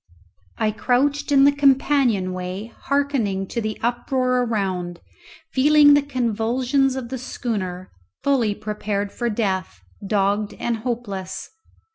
I crouched in the companion way hearkening to the uproar around, feeling the convulsions of the schooner, fully prepared for death, dogged and hopeless.